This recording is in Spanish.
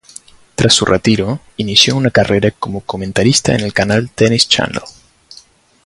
Tras su retiro, inició una carrera como comentarista en el canal Tennis Channel.